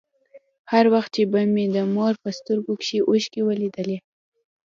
هر وخت چې به مې د مور په سترگو کښې اوښکې ولېدې.